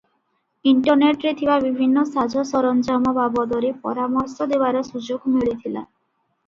ଇଣ୍ଟରନେଟରେ ଥିବା ବିଭିନ୍ନ ସାଜସରଞ୍ଜାମ ବାବଦରେ ପରାମର୍ଶ ଦେବାର ସୁଯୋଗ ମିଳିଥିଲା ।